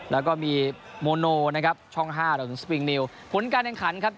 แล้วก็มีโมโนนะครับช่องห้ารวมถึงสปิงนิวผลการแข่งขันครับ